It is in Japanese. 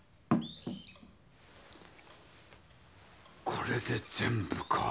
これで全部か。